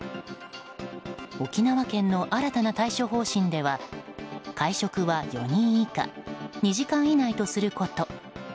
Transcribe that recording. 沖縄県の新たな対処方針では会食は４人以下２時間以内とすること。